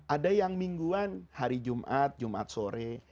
ada yang mingguan hari jumat jumat sore